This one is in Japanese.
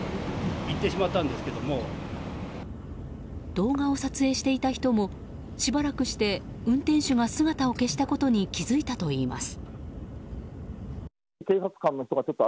動画を撮影していた人もしばらくして運転手が姿を消したことに気付いたといいます。